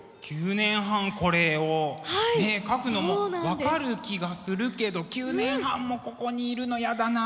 ９年半これをね描くのも分かる気がするけど９年半もここにいるのやだな。